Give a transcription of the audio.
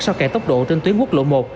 sau kẻ tốc độ trên tuyến quốc lộ một